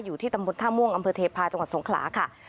อยู่ที่ตำบลท่าม่วงอำเภอเทพาะจังหวัดสงขลาค่ะ